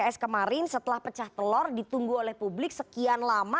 pks kemarin setelah pecah telur ditunggu oleh publik sekian lama